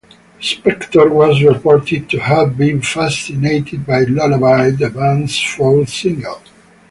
Spector was reported to have been fascinated by "Lullaby", the band's fourth single.